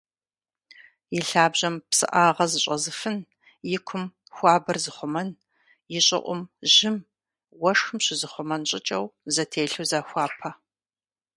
Илъабжьэм псыӏагъэ зыщӏэзыфын, икум хуабэр зыхъумэн, ищӏыӏум жьым, уэшхым щызыхъумэн щӏыкӏэу зэтелъу захуапэ.